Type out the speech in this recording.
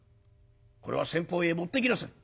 これは先方へ持っていきなさい」。